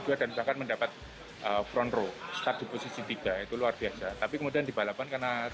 dua dan bahkan mendapat front row start di posisi tiga itu luar biasa tapi kemudian di balapan karena